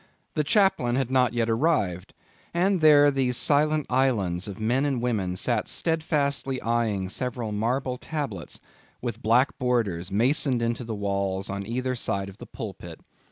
The chaplain had not yet arrived; and there these silent islands of men and women sat steadfastly eyeing several marble tablets, with black borders, masoned into the wall on either side the pulpit.